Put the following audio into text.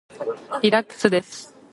リラックスです。